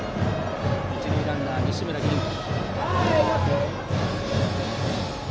一塁ランナーは西村元希。